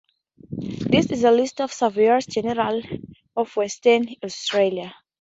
This is a list of surveyors general of Western Australia.